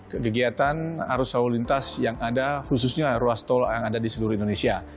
kegiatan arus lalu lintas yang ada khususnya ruas tol yang ada di seluruh indonesia